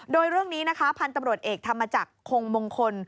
โดยเรื่องนี้นะคะพันธุ์ตำรวจเอกธรรมจักรคงมงคล